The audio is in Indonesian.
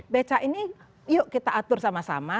becak ini yuk kita atur sama sama